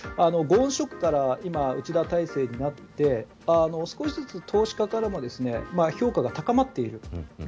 ゴーンショックから今、内田体制になって少しずつ投資家からも評価が高まっている。